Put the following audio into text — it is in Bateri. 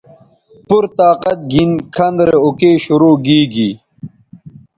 پورطاقت گھن کھن رے اوکئ شرو گیگی